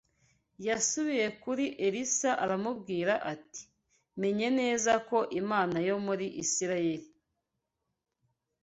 Yasubiye kuri Elisa aramubwira ati menye neza ko Imana yo muri Isirayeli